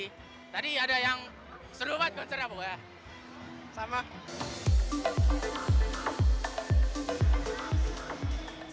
apakah anda sudah dia consumersa dengan bavaria menelan yang pertama sisi